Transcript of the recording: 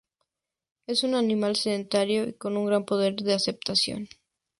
Es un animal sedentario y con un gran poder de adaptación.